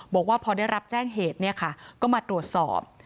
บอกว่าพอได้รับแจ้งเหตุเนี่ยค่ะก็มาตรวจสอบ